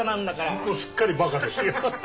もうすっかりバカですよ。